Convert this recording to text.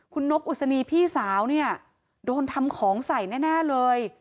คุณนกอุศนีพี่สาวเนี่ยโดนทำของใส่แน่เลย